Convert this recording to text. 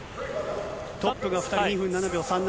トップが２人、２分７秒３７。